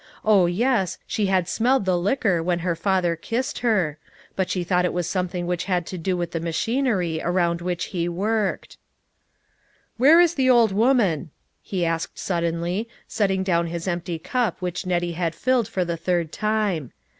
Oh, yes, she had smelled the liquor when her father kissed her; but she thought it was something which had to do with the ma chinery around which he worked. THE TRUTH IS TOLD. ,57 " Where is the old woman ?" he asked sud denly, setting down his empty cup which Nettie had filled for the third time.